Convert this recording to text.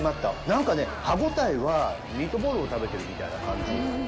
なんかね、歯応えはミートボールを食べているみたいな感じ。